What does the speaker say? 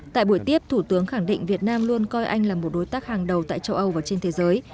tại buổi tiếp thủ tướng khẳng định việt nam luôn coi anh là một đối tác hàng đầu tại châu âu và trên thế giới